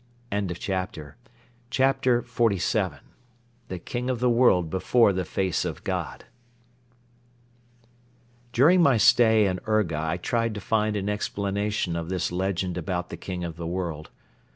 ... CHAPTER XLVII THE KING OF THE WORLD BEFORE THE FACE OF GOD During my stay in Urga I tried to find an explanation of this legend about the King of the World.